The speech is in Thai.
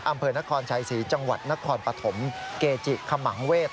อำเภอนครชัยศรีจังหวัดนครปฐมเกจิขมังเวศ